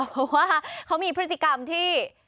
เพราะว่าเขามีพฤติกรรมที่